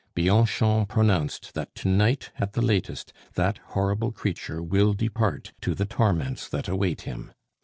Bianchon pronounced that to night at the latest that horrible creature will depart to the torments that await him.